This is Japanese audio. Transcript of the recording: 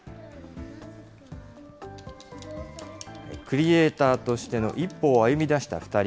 クリエーターとしての一歩を歩み出した２人。